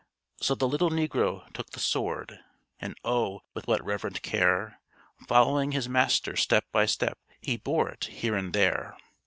So the little negro took the sword; And oh, with what reverent care, Following his master step by step, He bore it here and there!